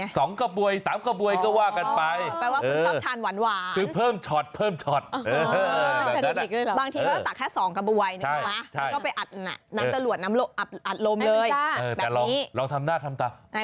หน้าตาคุณน่าสงสารไง